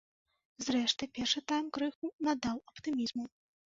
Зрэшты, першы тайм крыху надаў аптымізму.